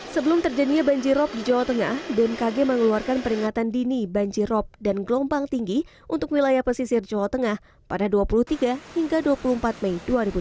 sebelum terjadinya banjirop di jawa tengah bmkg mengeluarkan peringatan dini banjir rop dan gelombang tinggi untuk wilayah pesisir jawa tengah pada dua puluh tiga hingga dua puluh empat mei dua ribu dua puluh